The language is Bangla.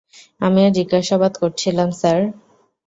আমিও জিজ্ঞাসাবাদ করছিলাম, স্যার।